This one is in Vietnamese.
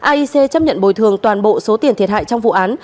aic chấp nhận bồi thường toàn bộ số tiền thiệt hại trong vụ án